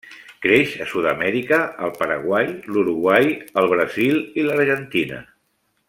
Creix a Sud-amèrica, al Paraguai, l'Uruguai el Brasil i l'Argentina.